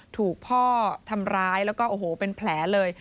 ถูกพ่อทำร้ายแล้วก็โอ้โหเป็นแผลเลย